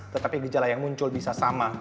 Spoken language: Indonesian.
tetapi gejala yang muncul bisa sama